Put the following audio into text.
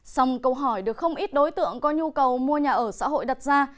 song câu hỏi được không ít đối tượng có nhu cầu mua nhà ở xã hội đặt ra